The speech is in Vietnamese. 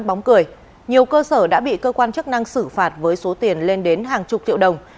bóng cười nhiều cơ sở đã bị cơ quan chức năng xử phạt với số tiền lên đến hàng chục triệu đồng